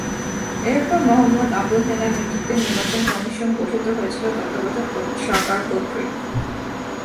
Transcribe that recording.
এরপর মোহাম্মদ আবু হেনার নেতৃত্বে নির্বাচন কমিশন গঠিত হয়েছিল তত্ত্বাবধায়ক সরকার কর্তৃক।